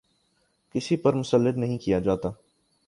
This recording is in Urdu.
کسی پر مسلط نہیں کیا جاتا۔